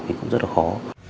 thì cũng rất là khó